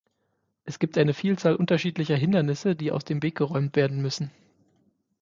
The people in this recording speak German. Es gibt eine Vielzahl unterschiedlicher Hindernisse, die aus dem Weg geräumt werden müssen.